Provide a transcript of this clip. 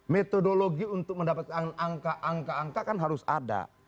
metodologi untuk mendapatkan angka angka kan harus ada